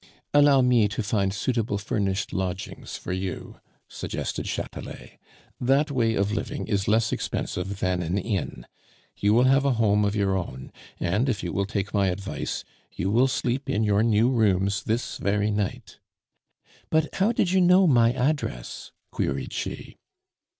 "Allow me to find suitable furnished lodgings for you," suggested Chatelet; "that way of living is less expensive than an inn. You will have a home of your own; and, if you will take my advice, you will sleep in your new rooms this very night." "But how did you know my address?" queried she.